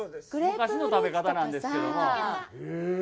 昔の食べ方なんですけども。